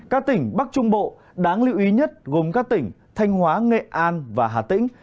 các tỉnh bắc trung bộ đáng lưu ý nhất gồm các tỉnh thanh hóa nghệ an và hà tĩnh